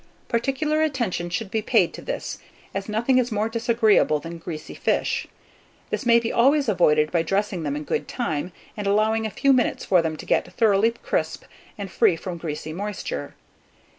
Particular attention should be paid to this, as nothing is more disagreeable than greasy fish: this may be always avoided by dressing them in good time, and allowing a few minutes for them to get thoroughly crisp, and free from greasy moisture.